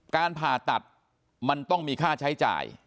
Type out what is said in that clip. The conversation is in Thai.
การผ่าตัดมันต้องมีค่าใช้จ่าย